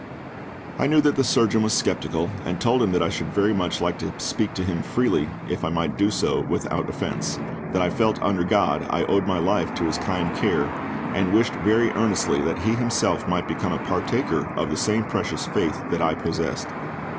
I knew that the surgeon was sceptical, and told him that I should very much like to speak to him freely, if I might do so without offence; that I felt that under GOD I owed my life to his kind care, and wished very earnestly that he himself might become a partaker of the same precious faith that I possessed.